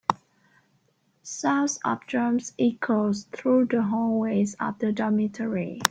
Sounds of drums echoed through the hallways of the dormitory.